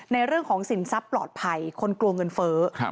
เรื่องของสินทรัพย์ปลอดภัยคนกลัวเงินเฟ้อ